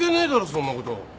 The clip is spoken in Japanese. そんなこと。